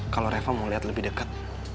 kalo reva mau liat lebih deket